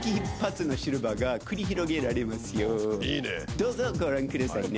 どうぞご覧くださいね。